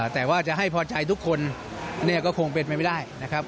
แต่ว่าจะให้พอใจทุกคนเนี่ยก็คงเป็นไปไม่ได้นะครับ